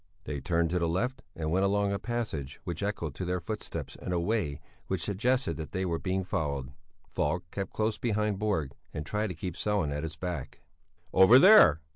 They turned to the left and went along a passage which echoed to their footsteps in a way which suggested that they were being followed. Falk kept close behind Borg and tried to keep Sellén at his back. "Over there!"